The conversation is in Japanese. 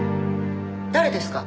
誰ですか？